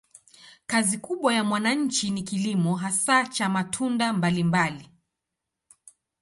Kazi kubwa ya wananchi ni kilimo, hasa cha matunda mbalimbali.